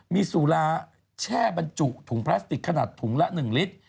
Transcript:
มีสุราแช่บรรจุถุงพลาสติกขนาดถุงละ๑ลิตร